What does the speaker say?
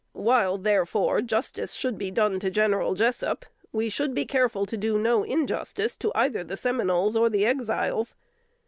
While, therefore, justice should be done to General Jessup, we should be careful to do no injustice to either the Seminoles or the Exiles.